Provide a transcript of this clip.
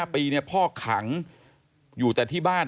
๕ปีพ่อขังอยู่แต่ที่บ้าน